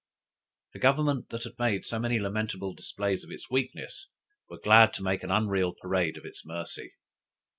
The Government that had made so many lamentable displays of its weakness, was glad to make an unreal parade of its mercy.